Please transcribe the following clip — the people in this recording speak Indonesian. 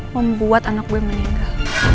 membuat anak gue meninggal